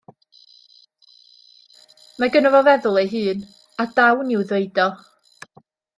Mae gynno fo feddwl ei hun, a dawn i'w ddeud o.